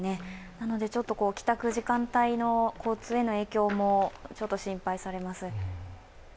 なので帰宅時間帯の交通への影響も心配されます。